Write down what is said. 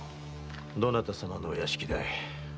どなた様のお屋敷だい？